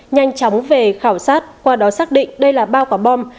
nhanh chóng về khảo sát qua đó xác định đây là ba quả bom